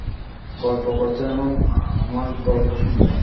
গল্প করছেন এবং আমার গল্প শুনছেন।